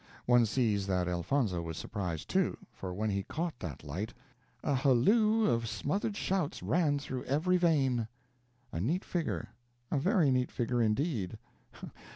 One sees that Elfonzo was surprised, too; for when he caught that light, "a halloo of smothered shouts ran through every vein." A neat figure a very neat figure, indeed!